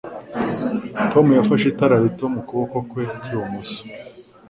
Tom yafashe itara rito mu kuboko kwe kw'ibumoso.